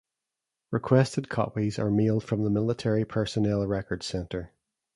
Requested copies are mailed from the Military Personnel Records Center.